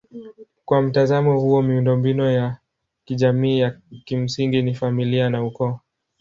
Kwa mtazamo huo miundombinu ya kijamii ya kimsingi ni familia na ukoo.